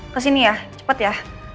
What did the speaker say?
kesini ya cepet ya